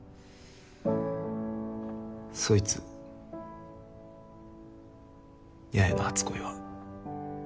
そいつ八重の初恋は。